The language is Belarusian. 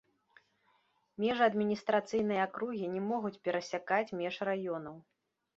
Межы адміністрацыйнай акругі не могуць перасякаць меж раёнаў.